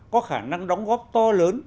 có khả năng đóng góp to lớn